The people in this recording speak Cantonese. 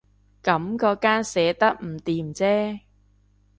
噉嗰間寫得唔掂啫